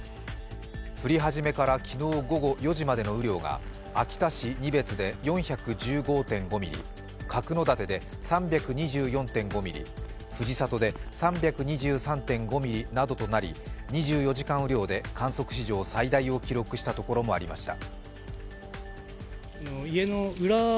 降り始めから昨日午後４時までの雨量が秋田市仁別で４１５．５ミリ、角館で３２３．５ミリ、藤里で３２３．５ミリなどとなり２４時間雨量で観測史上最大を記録したところもありました。